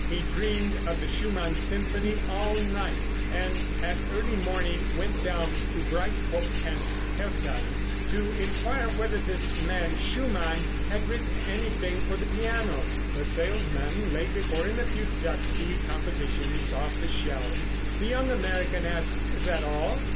He dreamed of the Schumann symphony all night, and at early morning went down to Breitkopf & Härtel's to inquire whether this man Schumann had written anything for the piano. The salesman laid before him a few dusty compositions off the shelves. The young American asked, "Is that all?"